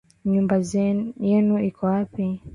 Nyumba yenu iko wapi